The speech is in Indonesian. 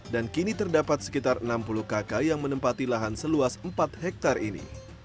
dan kini terdapat sekitar enam puluh kakak yang menempati lahan seluas empat hektare ini